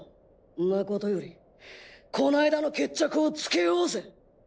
んなことよりこの間の決着をつけようぜ。